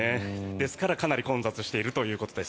ですからかなり混雑しているということです。